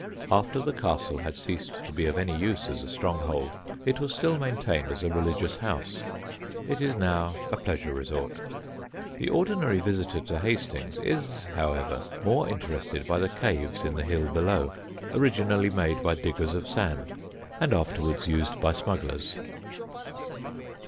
After the castle had ceased to be of any use as a stronghold it was still maintained as a religious house. It is now a pleasure resort. The ordinary visitor to Hastings is, however, more interested by the caves in the hill below, originally made by diggers of sand and afterwards used by smugglers.